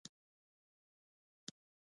د کیسه ویلو دود لا هم ژوندی دی.